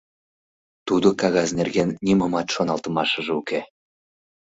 Тудо кагаз нерген нимомат шоналтымашыже уке.